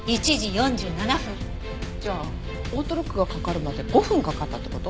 じゃあオートロックがかかるまで５分かかったって事？